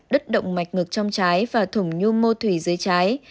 đứt động mạch ngực trong trái và thủng nhu mô thủy dưới trái